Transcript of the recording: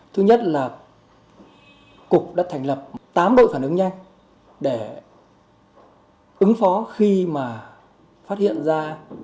thứ nhất là cục đã thành lập tám đội phản ứng nhanh để ứng phó khi mà phát hiện ra